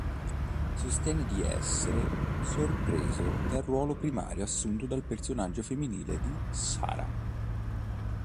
Sostiene di essere sorpreso dal ruolo primario assunto dal personaggio femminile di Sarah.